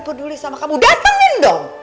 peduli sama kamu datangin dong